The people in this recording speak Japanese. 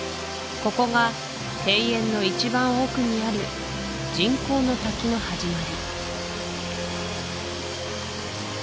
ここが庭園の一番奥にある人工の滝の始まり